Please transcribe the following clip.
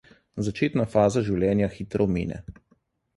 Začetna faza življenja hitro mine.